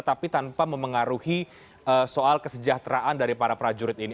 tapi tanpa memengaruhi soal kesejahteraan dari para prajurit ini